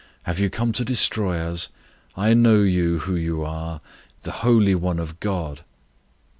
Have you come to destroy us? I know you who you are: the Holy One of God!"